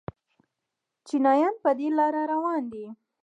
چینایان په دې لار روان دي.